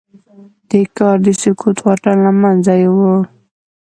دې کار د سکوت واټن له منځه يووړ.